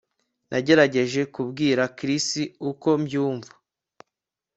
Nagerageje kubwira Chris uko mbyumva